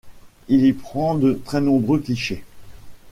Il y prend de très nombreux clichés.